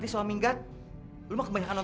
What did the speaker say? terus kok hujanan